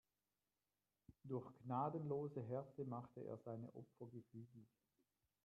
Durch gnadenlose Härte macht er seine Opfer gefügig.